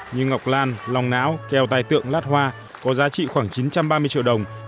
như ngọc lan lòng não keo tài tượng lát hoa có giá trị khoảng chín trăm ba mươi triệu đồng